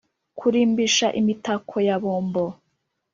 kurimbisha imitako ya bombo.